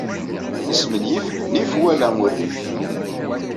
Nesmenyif nnif wala urrif.